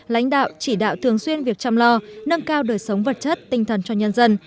lãnh đạo chỉ đạo thường xuyên việc chăm lo nâng cao đời sống vật chất tinh thần cho nhân dân